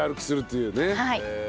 はい。